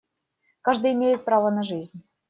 Каждый имеет право на жизнь.